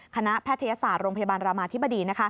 แพทยศาสตร์โรงพยาบาลรามาธิบดี